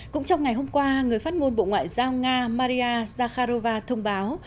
cũng trong ngày hôm qua người phát ngôn bộ ngoại giao nga maria zakharova thông báo